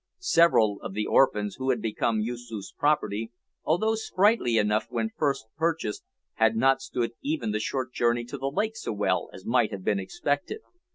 Several of the orphans, who had become Yoosoof's property, although sprightly enough when first purchased, had not stood even the short journey to the lake so well as might have been expected.